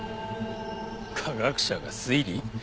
科学者が推理？